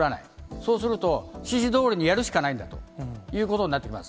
そうすると、指示どおりにやるしかないんだということになってきます。